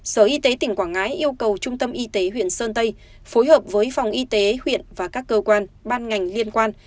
sở y tế tỉnh quảng ngãi yêu cầu trung tâm y tế huyện sơn tây phối hợp với phòng y tế huyện và các cơ quan ban ngành liên quan